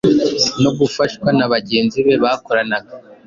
no gufashwa na bagenzi be bakoranaga.